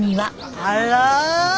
あら？